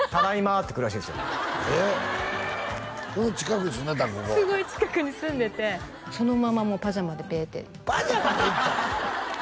ここすごい近くに住んでてそのままもうパジャマでベッてパジャマで行ったん？